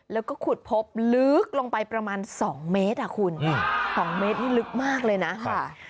แล้วก็ขุดพบลึกลงไปประมาณ๒เมตรอ่ะคุณ๒เมตรนี่ลึกมากเลยนะ